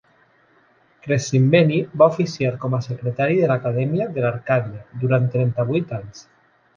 Crescimbeni va oficiar com a secretari de l'Acadèmia de l'Arcàdia durant trenta-vuit anys.